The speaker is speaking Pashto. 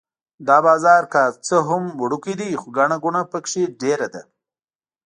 دا بازار که څه هم وړوکی دی خو ګڼه ګوڼه په کې ډېره ده.